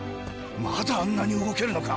まだあんなに動けるのか。